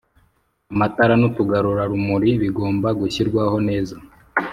Amatara n'utugarura rumuri bigomba gushyirwaho neza